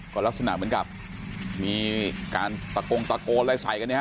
ก็ลักษณะเหมือนกับมีการตะโกงตะโกนอะไรใส่กันเนี่ยฮ